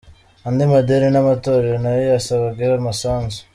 Andi madini n’amatorero nayo yasabwe umusanzu.